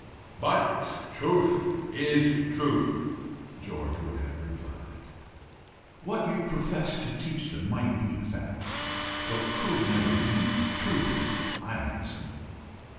"But truth is truth," George would have replied. What you profess to teach them might be a fact, but could never be a truth, I answer.